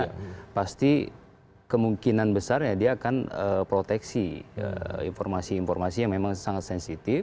karena pasti kemungkinan besarnya dia akan proteksi informasi informasi yang memang sangat sensitif